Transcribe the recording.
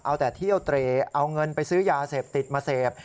เอาแต่เที่ยวเตรเอาเงินไปซื้อยาเสพติดมาเสพ